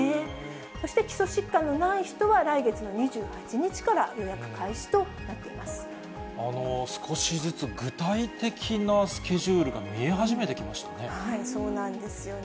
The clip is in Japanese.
そして基礎疾患のない人は来月の２８日から予約開始となっていま少しずつ具体的なスケジューそうなんですよね。